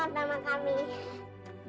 nenek baik banget sama kami